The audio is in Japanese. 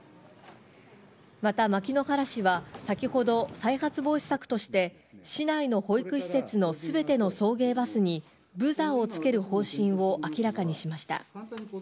また、牧之原市は先ほど、再発防止策として市内の保育施設の全ての送迎バスにブザーをつける方針を明らかにしました。